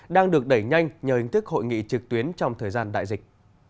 đang được đẩy nhanh nhờ hình thức hội nghị trực tuyến trong thời gian đại dịch